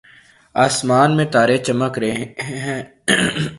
آسمان میں تارے چمک رہے ہیں